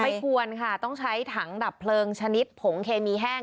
ไม่ควรค่ะต้องใช้ถังดับเพลิงชนิดผงเคมีแห้ง